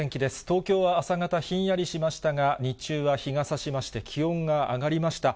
東京は朝方、ひんやりしましたが、日中は日がさしまして、気温が上がりました。